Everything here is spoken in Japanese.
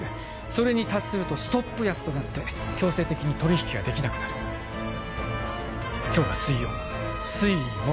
それに達するとストップ安となって強制的に取引ができなくなる今日が水曜水木